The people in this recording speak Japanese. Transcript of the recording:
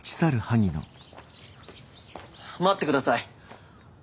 待ってください。